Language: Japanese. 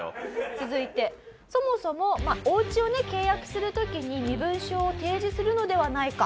続いてそもそもまあおうちをね契約する時に身分証を提示するのではないか？